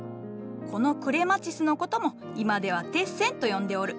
このクレマチスの事も今では「テッセン」と呼んでおる。